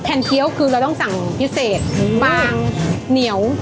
เคี้ยวคือเราต้องสั่งพิเศษบางเหนียว